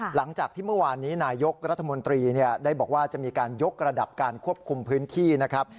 หลังจากที่เมื่อวานนี้นายกรัฐมนตรีได้บอกว่าจะมีการยกระดับการควบคุมพื้นที่นะครับ